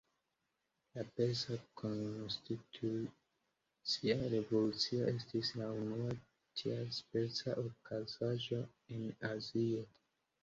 La Persa Konstitucia Revolucio estis la unua tiaspeca okazaĵo en Azio.